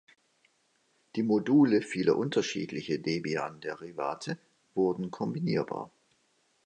Die Module vieler unterschiedlicher Debian Derivate wurden kombinierbar.